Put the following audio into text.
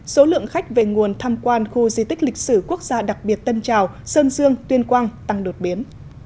số lượng khách về nguồn tham quan khu di tích lịch sử quốc gia đặc biệt tân trào sơn dương tuyên quang tăng đột biến